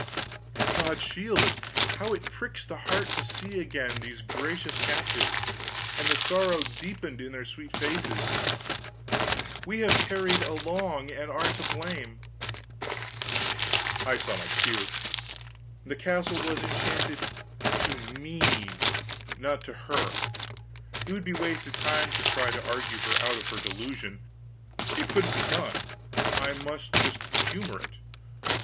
And God shield us, how it pricks the heart to see again these gracious captives, and the sorrow deepened in their sweet faces! We have tarried along, and are to blame." I saw my cue. The castle was enchanted to me, not to her. It would be wasted time to try to argue her out of her delusion, it couldn't be done; I must just humor it.